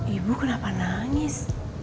ibu kenapa nangis